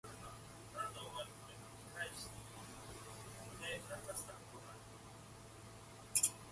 Due to its rays, Palitzsch B is mapped as part of the Copernican System.